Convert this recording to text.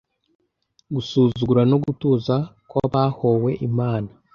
Gusuzugura no gutuza kw'abahowe Imana,